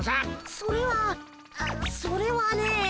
それはそれはね。